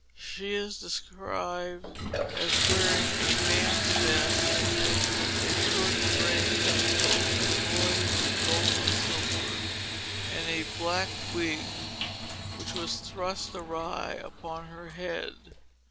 She is described as wearing a man's vest, a short gray petticoat, embroidered with gold and silver, and a black wig, which was thrust awry upon her head.